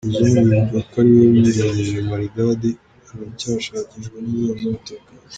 Kazungu bivugwa ko ariwe wirengeje Maridadi aracyashakishwa n’inzego z’umutekano.